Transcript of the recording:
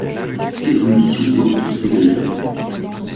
Ses ambitions mortes s’aigrissaient.